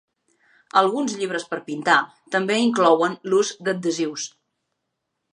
Alguns llibres per pintar també inclouen l'ús d'adhesius.